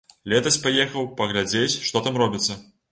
Летась паехаў паглядзець, што там робіцца.